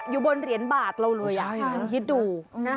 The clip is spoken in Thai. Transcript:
อยู่บนเหรียญบาทเราเลยลองคิดดู